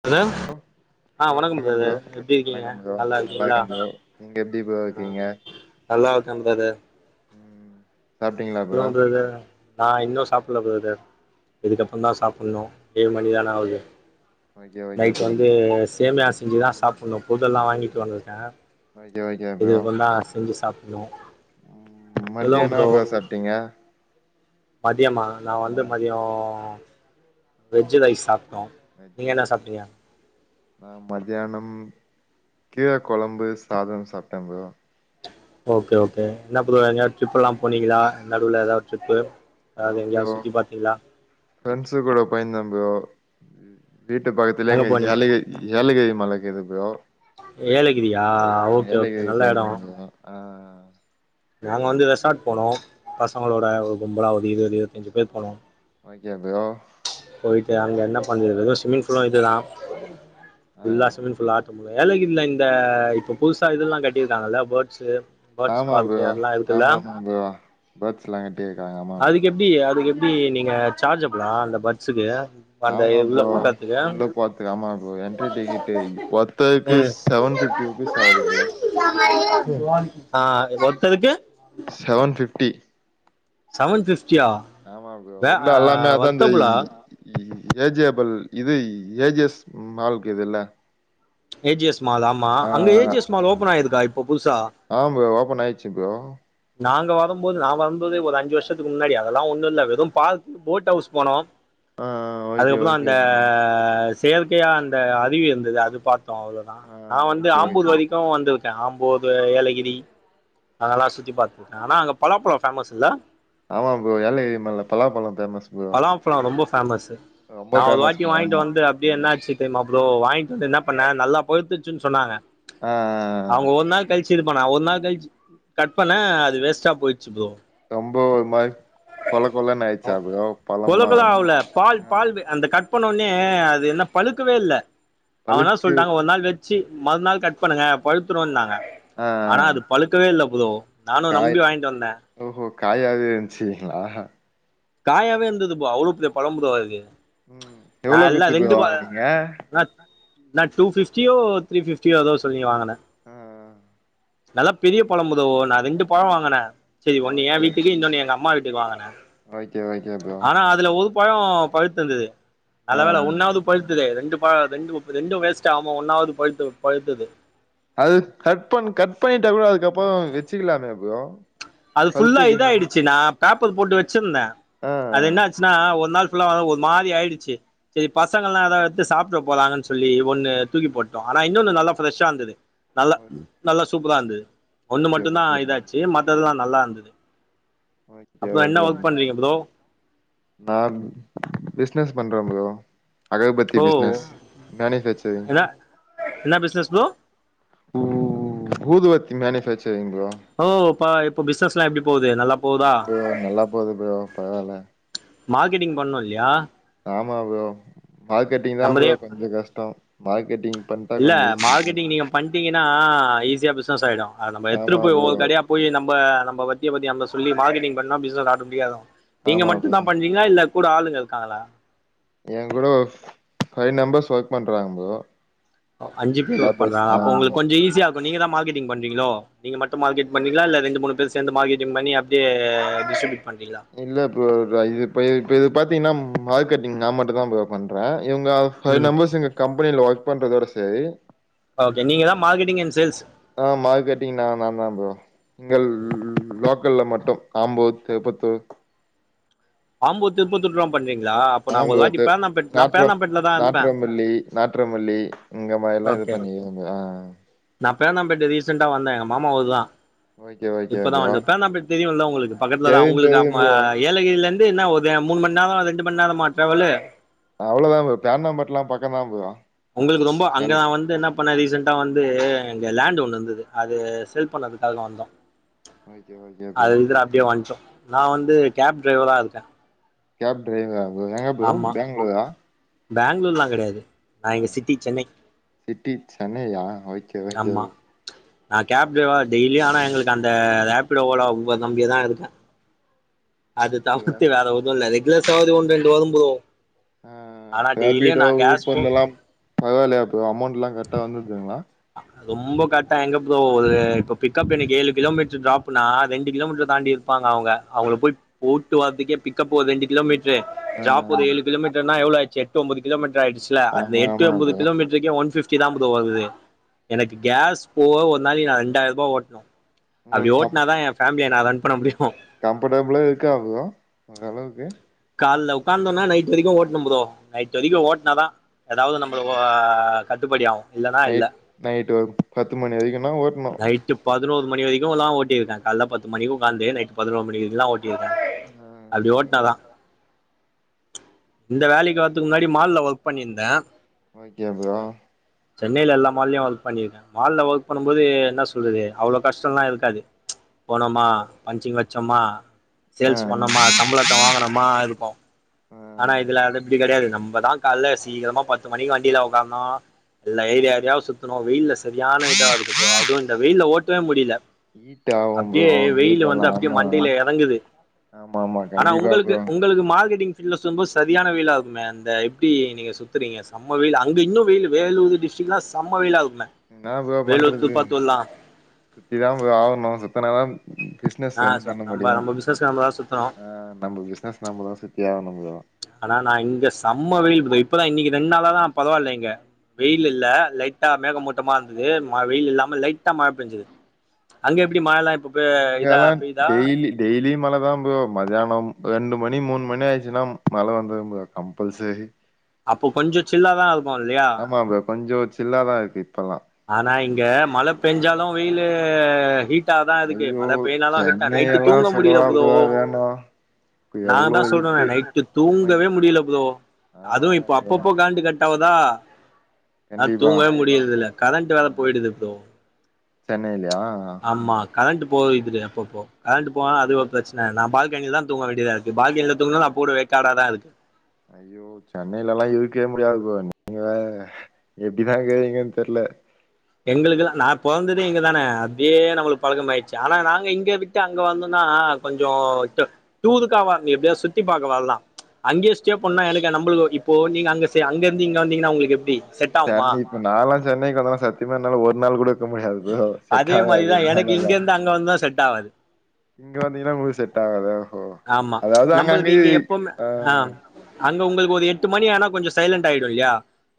Brother ஆ bro வணக்கம் bro brother எப்டி இருக்கீங்க வணக்கம் ப்ரோ நல்லா இருக்கீங்களா இருக்கே ப்ரோ நீங்க எப்டி ப்ரோ ஆ இருக்கீங்க நல்லாருக்க ப்ரதர் ம் சாப்ட்டீங்களா ப்ரோ சொல்லுங்க பிரதர் நா இன்னு சாப்புட்ல பிரதர் இதுக்கப்புறந்தா சாப்புட்ணு ஏழு மணிதான ஆவுது ஓகே ஓகே நைட் ப்ரோ வந்து சேமியா செஞ்சுதா சாப்புட்ணு பொருள் எல்லா வாங்கிட்டு வந்துருக்க ஓகே ஓகே ப்ரோ இதுக்கப்புறந்தா செஞ்சு சாப்புட்ணு சொல்லுங்க மத்தியான ப்ரோ என்ன சார் சாப்ட்டீங்க மதியமா நா ஆ வந்து மதியோ வெஜ்ஜு ரைஸ் சாப் ட்டோ வெஜ் நீங்க என்ன ரைஸ் சாப்ட்டீங்க நா மத்தியானம் கீர கொழம்பு சாதம் சாப்ட்ட ப்ரோ ஓகே ஓகே என்ன ப்ரோ ஓகே எங்கேயாது ட்ரிப்பெல்லா போனீங்களா நடுவுல ஏதாது ட்ரிப்பு ஆ அதாவது எங்கயாவது ப்ரோ சுத்தி பாத்தீங்களா ஃப்ரெண்ட்ஸு கூட போயிருந்த ப்ரோ இது வீட்டு பக்கத்துலே எங்க இங்க போனீங்க ஏலகிரி ஏலகிரி மல இருக்குது ப்ரோ ஏலகிரியா ஆ ஓகே ஓகே ஏலகிரி நல்ல எடோ போயிருந்தே ப்ரோ ஆ நாங்க வந்து ரெசார்ட் போனோம் பசங்களோட ஒரு கும்பலா ஒரு இருவது இருவத்தஞ்சு பேர் போனோம் ஓகே ப்ரோ போய்ட்டு அங்க என்ன பண்றது வெறு ஸ்விம்மிங் ஃபுல்லு இதுதா ஃபுல்லா ஆ ஸ்விம்மிங் ஃபுல்ல ஆட்டம் போ வேலக்கி இல்ல இந்த இப்ப புதுசா இதெல்லா கட்டியிருக்காங்கல்ல பேட்ஸ்சு பேட்ஸ் ஆமா ப்ரோ. பார்க்கு எல்லா இருக்குல்ல ஆமாமா ப்ரோ. பேர்ட்ஸ்லாம் கட்டியிருக்காங்க. ஆமா ப்ரோ. அதுக்கு எப்டி அதுக்கு எப்டி கி நீங்க சார்ஜ்ஜபுலா இல்ல பட்ஸ்சுக்கு ஆமா ப்ரோ உள்ள போறதுகு ஆமா ப்ரோ என்ட்ரி டிக்கெட் ஒருத்தருக்கு ம் செவன் ஃபிப்டி ருபீஸ் ஆகுது ப்ரோ ஆ அ ஒருத்தருக்கு செவன் ஃபிப்டி சவன் ஃபிப் ஆமா ப்ரோ உள்ள அல்லாமே அதா த வர்த்தபுளா இ ஏஜபல் இது ஏ ஜி ஸ் மால் கீதுல்ல ஏ ஜி எஸ் மால் ஆமா அங்க A G S mall open ஆயிருக்கா இப்ப புதுசா ஆ ப்ரோ ஓபன் ஆயிச்சி ப்ரோ நாங்க வரும்போது நா வரும்போது ஒரு அஞ்சு வருஷத்துக்கு முன்னாடி அதெல்லா ஒண்ணு இல்ல வெறும் பார்க் போட் அவுஸ் போனோம் ஆ ஓகே அதுக்கப்புற ஓகே அந்த ப்ரோ. செயற்கையா அந்த அருவி இருந்தது அது பாத்தோ அவ்ளோதா ஆ நா வந்து ஓகே ஆம்பூர் ஓகே. வரைக்கூ வந்துருக்கே ஆம்பூர் போது ஏலகிரி அதெல்லா சுத்தி பாத்துருக்க ஆனா அங்க பலாப்பழம் ஃபேமஸ்ல்ல ஆமா ப்ரோ ஏலகிரி மழையில பலாப்பழம் பேமஸ் ப்ரோ ரொம்ப நா ஒரு ஃபேமஸ் வாட்டி ப்ரோ வாங்ட்டு ஆமா. வந்து அப்டியே என்னாச்சி தெர்மா ப்ரோ வாய்ன்ட்டு வந்து என்னா பண்ண நல்லா பழுத்துருச்சின் சொன்னாங்க ஆ ஆ ஆ ஆ சி இது பண்ண ஒரு நாள் கழிச்சி கட் பண்ண அது வேஸ்ட்டா போயிச் ரொம்ப ஒரு மாரி கொல கொலன்னு ஆயிடுச்சா ப்ரோ பழமா கொலக்கொல ஆவுல பால் ஆ பால் அந்த கட் பண்ண உனே அ அது என்ன பழுக்கவே இல்ல அவ என்ன பழுக்கு சொல்டாங்க ஒரு நாள் வெச்சி வெச்சி மறு நாள் கட் பண்ணுங்க பழுத்துருனாங்க ஆ ஆனா அது பழுக்கவே இல்ல ப்ரோ நானு நம்பி வாய்ன்ட்டு வந்த ஓ காயாவே இருந்ச்சிங்ளா காயாவே இருந்தது ப்ரோ அவ்ளோ பெரிய பழம் ப்ரோ அது ம் நா எவ்ளோ எல்லா குத்து ப்ரோ ரெண்டு ப வாங்குனீங்க நா நா டூ ஃபிப்டியோ த்ரீ ஃபிப்டியோ ஏதோ சொல்லி வாங்குன ம் நல்லா பெரிய பழம் ப்ரோ நா ரெண்டு பழ வாங்குன சரி ஒன்னு ஏன் ஓகே வீட்டுக்கு இன்னொன்னு எங்க அம்மா வீட்டுக்கு கு வாங்குன ஓகே ஓகே ப்ரோ பழோ பழுத்துருந்தது ஆ நல்ல வேல ஆ. ஒன்னாவது பழுத்துதே ரெண்டு ப ரெண்டு ரெண்டும் வேஸ்ட் ஆவாம ஒன்னாவுது பழுத்து பழுத்தது அது கட் பண் கட் பண்ணிட்டா கூட அதுக்கப்புற வச்சுக்கலாமே ப்ரோ அது ஃபுல்லா இத பழுத்துக்கு ஆயிடுச்சு நா பேப்பர் போட்டு வச்சிருந்த ஆ அது என்ன ஆச்சுன்னா ஒரு நாள் ஃபுல்லா வந் ஒரு மாறி ஆயிடுச்சி செரி பசங்கல்லா ஏதாவ் எடுத்து சாப்ட்ற போறாங்கன் சொல்லி ஒண்ணு தூக்கி போட்டோ ஆனா இன்னொன்னு நல்லா ஃப்ரெஷ்ஷா இருந்துது நல்லா நல்லா சூப்பரா இருந்தது ஒண்ணு ஓகே மட்டுதான் ஓகே இதாச்சு மத்ததுல்லா நல்லா இருந்துது ஓகே ஓகே ப்ரோ நா பிஸ்னஸ் பண்ற ப்ரோ அகர்பத்தி ஓ பிஸ்னஸ் மேனுஃபேக்சரிங் என்ன என்ன பிசினஸ் ப்ரோ ஊது வத்தி மேனுஃபேக்சரிங் ப்ரோ பா இப்போ பிஸ்னஸ்ல்லா எப்டி போகுது நல்லா ஆ போகுதா ப்ரோ நல்லா போது ப்ரோ பரவால மார்க்கெட்டிங் பண்ணூ இல்லியா ஆமா ப்ரோ மார்க்கெட்டிங் தா ப்ரோ நம்மதே கொஞ்ச கஷ்டோ மார்க்கெட்டிங் பண்ட்டா இல்ல கொஞ்சோ ஈஸி ப்ரோ மார்கெட்டிங் நீங்க பண்டிங்க னா ஈஸியா பிஸ்னஸ் ஆய்டு அது நம எடுத்து ஆமா போய் ப்ரோ ஒவ்வொரு கடையா போய் நம்ப நம்ப வ [unintelligible] சொல்லி மார்கெட்டிங் பண்ணா பிஸ்னஸ் ஆடோமேடிகா இதாகும் நீங்க ஆமா ப்ரோ மட்டுதா பண்றீங்ளா இல்ல கூட ஆளுங்க இருக்காங்களா என் கூட ஃபைவ் நம்பர்ஸ் ஒர்க் பண்றாங்க ப்ரோ அஞ்சு பேர் ஒர்க் லேபர்ஸ் பண்றாங்க ஆ அப்ப உங்ளுக் கொஞ்சோ ஈசிய இருக்கு நீங்கதா மார்கெட் டிங் பண்றீங்ளோ நீங்க மட்டு மார்கெட் பண்றீங்ளா இல்ல ரெண்டு மூணு பேர் சேந்து மார்கெடிங் பண்ணி அப்டியே டிஸ்டிப்யூட் இல்ல ப்ரோ இது இப்ப இப்ப இது பாத்தீங்கனா மார்கெட்டிங் நா மட்டுதா ப்ரோ பண்றே இவுங்க ஃபைவ் ம் நம்பர்ஸ் எங்க கம்பேனில ஒர்க் பண்றதோட சேரி ஓகே நீங்கதா மார்கெடிங் அண் சேல்ஸ் ஆ மார்கெட்டிங் நா நாதா ப்ரோ இங்க லோக் கல்ல மட்டு ஆம்பூர் திருபத்தூர் ஆம்பூர் திருபத்துர்தா பண்றீங்ளா அப்ப நா ஒரு வாட்டி பேனாம்பேட் நா பேனாம்பேட்ல நாட்றமல்லி நாட்றமல்லி இங்க மாரிலா இது ஓகே பண்ணி ஆ நா பேனாம்பேட்ட ரீசென்டா வந்த மாமாவோதுதா ஓகே ஓகே ப்ரோ இப்பதாவண்ருப் பேனாம்பேட் தெரியுல உங்ளுக்கு பக்கட்லதா தெரியு தெரியு உங்ளுக்கு ஆ ப்ரோ ஏலகிரில இருந் இ என்ன ஒரு மூணு மண்நேரோ ரெண்டு மண்நேரமோ ட்ராவலு அவ்ளோதா ப்ரோ பேனாம்பேட்லா பக்கோதா ப்ரோ உங்ளுக்கு ரொம்ப அங்க வேலி நா வந்து என்ன பண்ணே ரீசென்ட் டா வந்து இங்க லேண்டு ஒண்ணு இருந்தது அது செல் பண்ணதுகாக வந்தோ ஓகே ஓகே ப்ரோ அது இதுனு அப்டியே வன்டோ நா வந்து கேப் ட்ரைவரா இருக்க கேப் ட்ரைவரா ப்ரோ எங்க ப்ரோ பேங்ளூரா பேங்ளூர்லா கடயாது ஆ சிட்டி சென்னையா ஓக்கே ஓக்கே ஓகே அ கேப் ட்ரைவரா டெய்லி ஆனா எங்ளுக்கு அந்த ரேப்பிடோ ஓலோ ஊபர் நம்பிதா இருக்க அது ப்ரோ தவிர்த்து வேற ஒன்னு இல்ல ரெகுலர் சவாரி ஒன் ரெண்டு வரு ப்ரோ ஆ ஆனா டெய்லியு ராபீடோ நா கேஸ் போ ஊபர்லலா பரவாலயா ப்ரோ அமௌண்ட்லா கரெக்டா வந்துருதுங்ளா ரொம்ப கரெக்டா எங்க ப்ரொ ஒரு இப்ப பிக்கப் இனிக்கி ஏழு கிலோமீட்டர் ட்ராப்னா ரெண்டு கிலோமீட்டர் தாண்டி இருப்பாங்க அவுங்க அவுங்ள போய் போட்டு வர்த்துகே பிக்கப் ஒரு ரெண்டு கிலோமீட் ஆ ட்ராப் ஒரு ஏளு கிலோமீடர்னா எவ்ளோ ஆச்சு எட்டு ஒம்போது கிலோமீட் ஆய்டுசில அதுல ஆமா எட்டு ஆமா ஒம்பது ப்ரோ கிலோமீட்ருகே ஒன் ஃபிஃப்டி தா ப்ரோ வருது எனக்கு கேஸ் போக ஒரு நாளிக்கி நா ரெண்டாயிரூபா ஓட்னு அப்டி உங்களுக்கு கம் ஓட்னா தா ஏ ஃபேமிலிய நா ரன் பண்ண முடியு கம்ஃபர்டபுளா இருக்கா ப்ரோ ஓரளவுக்கு கால்ல உட்காந்தோனா நைட் வரிக்கு ஓட்னு ப்ரோ நைட் வரிக்கு ஓட்னாதா எதாவ்து நம்பள ஆ கட்டுபடியாவு நைட் நைட் ஒரு பத்து மணி வரிகுனா ஓட்ணு நைட்டு பதினோரு மணி வரிக்குலா ஓட்டிருக்க கால்ல பத்து மணிக்கு உக்காந்து நைட்டு பதினோரு மணி வரிக்குலா ஓட் ஆ [unintelligible] இந்த வேலைகு வர்துகு முன்னாடி மால்ல ஒர்க் பண்ணிருந்த ஓகே ப்ரோ சென்னைல எல்லா மால்லயு ஒர்க் பண்ணிருக்கே மால்ல ஒர்க் பண்ணுபோது என்ன சொல்றது அவ்ளோ கஷ்டோல்லா இருக்காது போனோமா பஞ்சிங் வச்சோமா ஆ சேல்ஸ் பண்ணோமா சம்பளத வாங்கனோமா இருக்கு ஆ ஆனா இதுல அது இப்டி கடயாது நம்மதா கால்ல சீக்கரமா பத்து மணிக்கு வண்டில உக்கார்னு எல்லா ஏரியா ஏரியாவா சுத்துணு வெயில்ல செரியான இதா ஆகுதுபா அதுவு இந்த வெயில்ல ஓட்டவே முடில ஹீட் ஆகு ப்ரோ அப்டியே வெயில்ல வெயிலெல்லா வந்து அப்டியே ஆமா மண்டைல எறங்குது ஆமா ஆமா ஆனா கண்டிப்பா உங்குளுக்கு ப்ரோ உங்குளுக் மார்க்கெட்டிங் ஃபீல்ட்ல செய்போத் சரியான வெயில்லா இருக்குமே அந்த எப்டி நீங்க சுத்துறீங்க செம்ம வெயில் அங்க இன்னு வெயில்லு வேலூது டிஸ்டிக்லா சம்ம வெயில்லா என்ன ப்ரோ பண்றது சுத்திதா ப்ரோ ஆகணு சுத்துனாதா பிஸ்னஸ் ஆ ரன் பண்ண நம்ம முடியு நம்ம பிசினஸ்க்கு நம்ம தான் சுத்துறோம் ஆ நம்ப பிஸ்னஸ் நம்பதா தியானு ப்ரோ ஆனா நா இங்க சம்ம வெயில் ப்ரோ இப்பதா இன்னக்கி ரெண்டு நாளாதா பரவால்ல இங்க வெயில் ம் இல்ல லைட்டா மேகமூட்டமா இருந்தது ம வெயில் இல்லாம லைட்டா மழ பெஞ்சுது அங்க எப்டி மழல்லா இப்ப பெ இதா பெய்தா மல தா ப்ரோ மதியானம் ரெண்டு மணி மூணு மணி ஆயிடுச்சுன்னா மல வந்துரு ப்ரோ கம்பல்சரி அப்போ கொஞ்சோ சில்லாதா இருக்கு இல்லையா ஆமா ப்ரோ கொஞ்சோ சில்லாதா இருக்கு இப்பல்லா ஆனா இங்க மல பேஞ்சாலு வெயில்லு ஹீட் டாதா இருக்கு ஐயோ மழ பேஞ்சாலு ஹீட்டா சென்னை நைட்டு எல்லா தூங்க முடில சொல்லவா ப்ரோ வேணு நா எவ்ளோ தா சொல்றனே ஹீட்டு நைட்டு செம்ம தூங்கவே ஹீட்டு முடியல ப்ரோ ஆமா அதுவு ஆமா இப்ப ப்ரோ அப்பப்போ கரண்டு கட்டாவுதா அது கண்டிப்பா தூங்கவே முடியறது இல்ல கரண்டு ஆ வேற போயிடுது ப்ரோ சென்னைலயா ஆமா கரண்ட் போயிகுது அப்போ அப்போ கரண்ட் போனாலு அது ஒரு பிரச்சன நா பால்கனில தூங்க வேண்டியதா இருக்கு பால்கனில தூங்குனாலு போடு வேக்காடாதா இருக்கு ஐயோ சென்னையில எல்லா இருக்கவே முடியாது ப்ரோ நீங்க வேற எப்டிதா இருக்கீங்கன்னு தெர்ல [inaudible] எங்களுக்குல்லா நா பொறந்ததே இங்க தான அப்டியே நம்மளுக்கு பழகம் ஆயிடுச்சு ஆனா நாங்க இங்க விட்டு அங்க வந்தோனா அ கொஞ்சோ தூதுக்காவா எப்படியா சுத்தி பாக்கலால்ல அங்கே ஸ்டே பன்னா எனக்கு நம்பளுக்கு இப்போ நீங்க அங்க அங்க இருந்து இங்க வந்தீங்கன்னா உங்களுக்கு எப்டி செட் ஆகுமா சென்னை இப்ப நாளா சென்னைக்கு வந்தனா சத்தியமா என்னால ஒரு நாள் கூட இருக்க முடியாது செட்டாகாது என்னாலலா ஆவது இங்க வந்தீங்கன்னா நம்மளு செட் ஆகாது ஓஹோ ஆமா அதாவது அங்க நம்மளுக்கு அங்கயே இங்க எப்பவுமே ஆ அங்க உங்களுக் ஒரு எட்டு மணி ஆனா கொஞ்ச சைலண்ட் ஆயிடு இல்லையா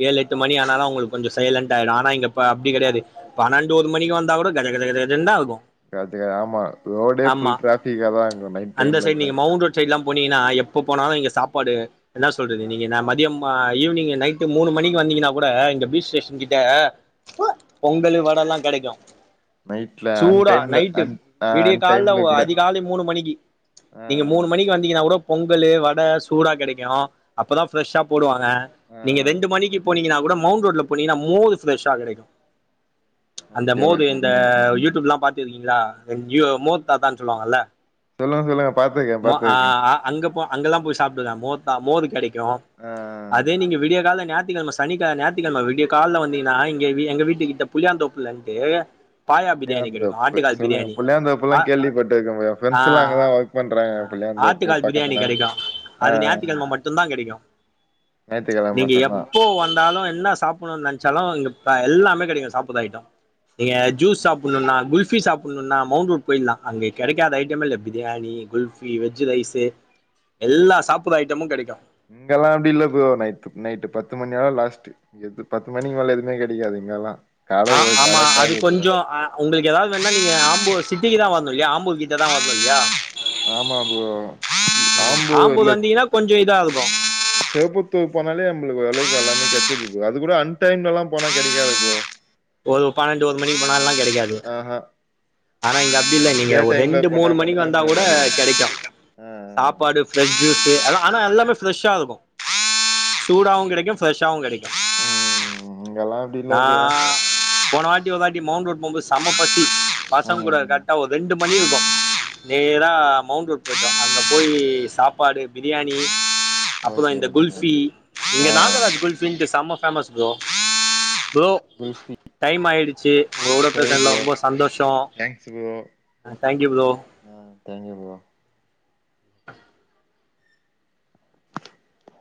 ஏழு எட்டு மணி ஆனாலா உங்களுக்கு கொஞ்ச சைலண்ட் ஆயிடு ஆனா இங்க அப்டி கெடையாது பனெண்டு ஒரு மணிக்கு வந்தா கூட கஜ கஜ கஜனுதா இருக்கு [unintelligible] ஆமா ரோடே ஆமா ஃபுல் ட்ராஃபிக்காதா இருக்கு நைட் அந்த டைம்ல சைடு கூட நீங்க மவுண்ட் ரோட் சைட்லாம் போனீங்கன்னா எப்ப போனாலு இங்க சாப்பாடு என்னா சொல்றது நீங்க மதியம் ஈவனிங் நைட்டு மூணு மணிக்கு வந் ந்தீங்கன்னா கூட இந்த பீச் ஸ்டேஷன் கிட்ட பொங்கலு வடல்லா கிடைக்கு நைட்ல அன் சூடா டைம்ல நைட்டு அன் ஆ விடிய அன் கால்ல டைம்ல கூட அதிகாலை மூணு மணிக்கு ஆ நீங்க மூணு மணிக்கு வந்தீங்கன்னா கூட பொங்கல்லு வட சூடா கிடைக்கு அப்பதா பிரெஷ்ஷா போடுவாங்க அ ஆ ஆ நீங்க ரெண்டு மணிக்கு போனீங்கன்னா கூட மவுண்ட் ரோடல போனீங்கன்னா மோரு பிரெஷா கிடைக்கு அந்த ஓகே மோரு ஓகே இந்த ஓகே யூடியூப்லா பாத்து இருக்கீங்களா மோர் தாத்தான்னு சொல்லுவாங்கல்ல சொல்லுங்க சொல்லுங்க பாத்துருக்கே ம பாத்துருக்கே ஆ அங்க போ அங்கெல்லா போய் சாப்பிடுவே மோர்தா மோரு கிடைக்கு ஆ அதே நீங்க விடிய கால்ல கிழம சனிக்க ஞாயத்திக்கிழம விடிய கால்ல வந்தீங்கன்னா இங்க எங்க வீட்டு கிட்ட புளியந்தோப்புலந்து பாயா பிரியாணி கிடைக்கு புளியாந்தோப்பு ஆட்டுக்கால் சொல்லுங்க பிரியாணி புளியாந்தோப்புல்லா அ கேள்விப்பட்டுருக்கே எ அ ஃப்ரெண்ட்ஸ் எல்லா அங்கதா ஒர்க் பண்றாங்க புளியாந்தோப்பு ஆட்டுக்கால் பிரியாணி பக்கத்துல கிடைக்கு ஆ அது ஞாய்த்திகிழம மட்டுதா கிடைக்கு ஞாயித்துக்கெழம நீங்க மட்டுந்தா எப்போ வந்தாலு என்ன சாப்பிடணுனு நெனச் சாலு இங்க எல்லாமே கிடைக்கு சாப்பிட்ற ஐட்டோ நீங்க ஜூஸ் ம் சாப்பிடுன்னா குல்பி சாப் னுன்னா மௌண்ட் ரூட் போய்லா அங்க கிடைக்காத ஐட்டம் இல்ல பிரியாணி குல்ஃபி வெஜ் ரைஸு எல்லா சாப்புர ஐட்டமு கிடைக்கு இங்கெல்லா அப்டி இல்ல ப்ரோ நைட் நைட்டு பத்து மணி ஓட லாஸ்ட் எது பத்து மணிக்கு மேல எதுமே கிடைக்காது ங்கலா ஆ ஆமா அது கொஞ்சோ அ உங்களுக்கு ஏதாவது வேனா நீங்க ஆம்பு சிட்டிக்குதா வரனுலயா ஆம்புர் கிட்டதா வரனு இல்லையா ஆமா ப்ரோ ம் ஆம்பூர் ஆம்பூர்ல வந்தீங்கன்னா கொஞ்சோ இதா இருக்கு புத்தூர் போனாலே நம்ளுக்கு ஓரளவுக்கு எல்லாமே கெடச்சிர்து ப்ரோ அது கூட அன்டைம்லலா போனா கெடைக்காது ப்ரோ ஒரு பன்னெண்டு ஒரு மணிக்கு போனாலா கெடைக்காது ஆஹா ஆனா இங்க அப்டி இல்ல நீங்க டே ஒரு டைம்ல ரெண்டு போனா மூணு மணிக்கு மட்டுந்தா வந்தா ப்ரோ கூட கெடைக்கு ஆ சாப்பாடு பிரெஷ் ஜூஸு அத ஆனா எல்லாமே ஃப்ரெஷ்ஷா இருக்கு சூடவு கெடைக்கு ஃப்ரெஷ்ஷாவு கெடைக்கு ஆ ம் இங்கெல்லா அப்டி இல்ல நா ப்ரோ போன வாட் டி மவுண்ட் ரோட் போம்போது செம்ம பசி ஆ பசங்க கூட கரெட்டா ஒரு ரெண்டு மணி இருக்கு நேரா மவுண்ட் ரோட் பொயிட்டோ அங்க போயி சாப்பாடு பிரியாணி அப்றோ ஓகே இந்த ஓகே குல்ஃபி ப்ரோ இங்க ஆ நாகராஜு குல்ஃபின்ட்டு செம்ம famous bro bro kulfi time ஆயிடுச்சி ஒங்க கூட பேசுனதுலா ரொம்ப சந்தோஷோ தேங்க்ஸு ப்ரோ தேங்க்யூ ப்ரோ ஆ தே்யூ ப்ரோ அ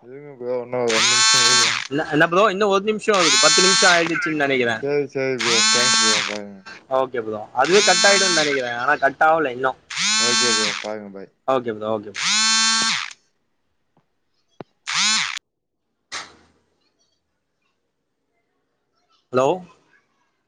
இருங்க ப்ரோ இன்னோ ஒரு நிமிஷோ இல்ல எனா ப்ரோ இன்னோ ஒ ஒரு நிமிஷோ இருக்கு பத்து நிமிஷோ ஆயிடுச் சினு நெனைக்கிறே சேரி சேரி ப்ரோ தேங்க்ஸ் ப்ரோ பாருங்க ஓகே ப்ரோ அதுவே கட் ஆயிடுன் நெனைக்கிறே ஆனா கட் ஆவுல இன்னோ ஓகே ப்ரோ பாருங்க பாய் ஓகே ப்ரோ ஹலோ